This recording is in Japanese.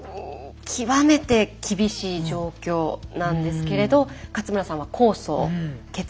極めて厳しい状況なんですけれど勝村さんは控訴を決意します。